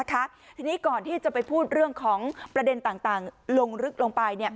ทีนี้ก่อนที่จะไปพูดเรื่องของประเด็นต่างลงลึกลงไป